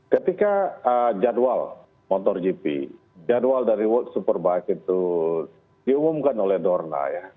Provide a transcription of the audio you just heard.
ketika jadwal motor gp jadwal dari world superbike itu diumumkan oleh dorna ya